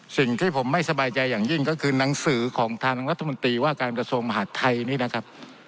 สิ่งที่ผมไม่สบายใจอย่างยิ่งก็คือหนังสือของทางรัฐมนตรีว่าการกระทรวงมหาดไทยนี่นะครับ